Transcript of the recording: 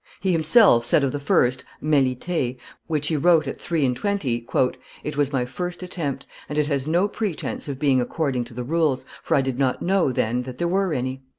He himself said of the first, Melite, which he wrote at three and twenty, "It was my first attempt, and it has no pretence of being according to the rules, for I did not know then that there were any.